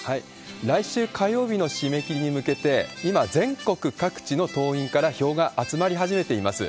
来週火曜日の締め切りに向けて、今、全国各地の党員から票が集まり始めています。